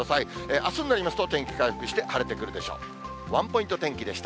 あすになりますと、天気回復して、晴れてくるでしょう。